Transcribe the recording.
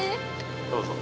どうぞ。